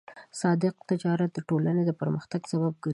صادق تجارت د ټولنې د پرمختګ سبب ګرځي.